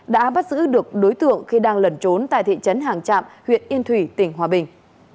đã bắt giữ được đối tượng khi đang lẩn trốn tại thị trấn hàng trạm huyện yên thủy tỉnh hòa bình